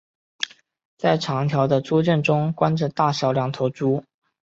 在长条形的猪圈中关着大小两头猪。